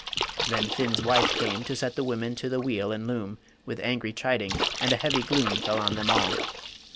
Then Finn's wife came To set the women to the wheel and loom, With angry chiding; and a heavy gloom Fell on them all.